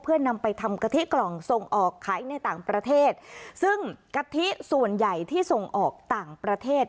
เพื่อนำไปทำกะทิกล่องส่งออกขายในต่างประเทศซึ่งกะทิส่วนใหญ่ที่ส่งออกต่างประเทศ